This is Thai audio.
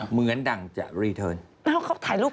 เหมือนดังจะรีเทิร์น